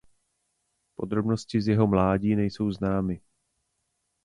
Podrobnosti z jeho mládí nejsou známy.